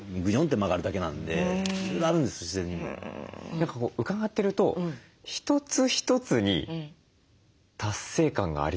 何か伺ってると一つ一つに達成感がありそう。